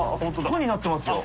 「コ」になってますよ。